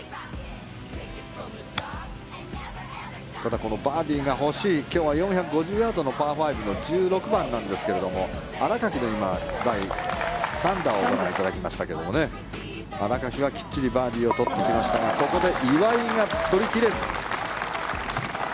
ただこのバーディーが欲しい今日は４５０ヤードのパー５の１６番なんですけども新垣の第３打をご覧いただきましたが新垣はきっちりバーディーを取ってきましたがここで岩井が取り切れず。